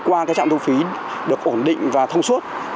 qua trạm thu phí được ổn định và thông suốt